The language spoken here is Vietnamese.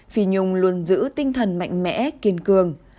phi nhung luôn giữ tinh thần mạnh mẽ kiên cường